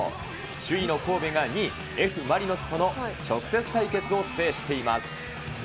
首位の神戸が２位、Ｆ・マリノスとの直接対決を制しています。